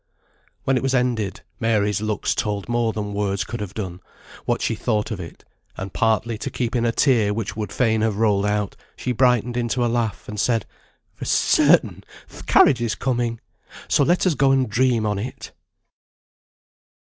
"] When it was ended, Mary's looks told more than words could have done what she thought of it; and partly to keep in a tear which would fain have rolled out, she brightened into a laugh, and said, "For certain, th' carriage is coming. So let us go and dream on it."